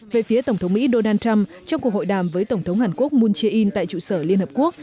về phía tổng thống mỹ donald trump trong cuộc hội đàm với tổng thống hàn quốc moon jae in tại trụ sở liên hợp quốc